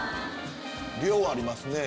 量ありますね。